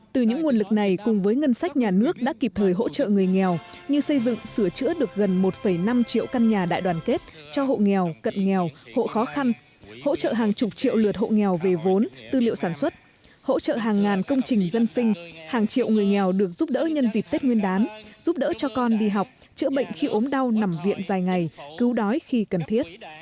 từ những nguồn lực này cùng với ngân sách nhà nước đã kịp thời hỗ trợ người nghèo như xây dựng sửa chữa được gần một năm triệu căn nhà đại đoàn kết cho hộ nghèo cận nghèo hộ khó khăn hỗ trợ hàng chục triệu lượt hộ nghèo về vốn tư liệu sản xuất hỗ trợ hàng ngàn công trình dân sinh hàng triệu người nghèo được giúp đỡ nhân dịp tết nguyên đán giúp đỡ cho con đi học chữa bệnh khi ốm đau nằm viện dài ngày cứu đói khi cần thiết